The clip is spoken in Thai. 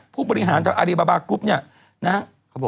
ผู้บริหารจากอาริบาบากลุ๊ปเนี่ยนะครับ